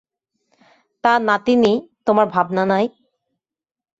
তা নাতিনী, তোমার ভাবনা নাই।